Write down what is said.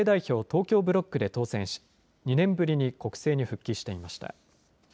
東京ブロックで当選し２年ぶりに国政に復帰していました。